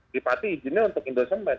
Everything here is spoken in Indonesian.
lipati izinnya untuk indosemen